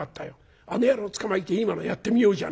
あの野郎つかまえて今のやってみようじゃねえか。